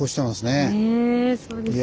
ねえそうですね。